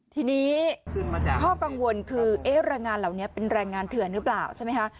ทีนี้ข้อกังวลคือแรงงานเหล่านี้เป็นแรงงานเถื่อนหรือเปล่าใช่ไหมคะ